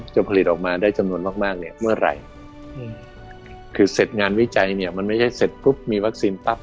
จะผลิตออกมาได้จำนวนมากเมื่อไหร่